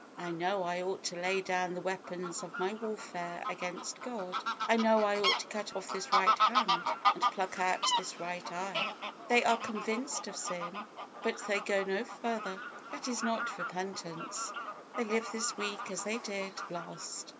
I know I ought to lay down the weapons of my warfare against God; I know I ought to cut off this right hand, and pluck out this right eye." They are convinced of sin, but they go no further. That is not repentance. They live this week as they did last.